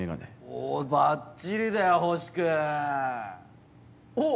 おバッチリだよ星くん。おっ！